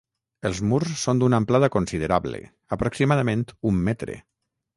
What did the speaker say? Els murs són d'una amplada considerable, aproximadament un metre.